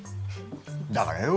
だからよ。